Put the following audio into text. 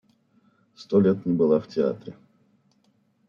Сто лет не была в театре.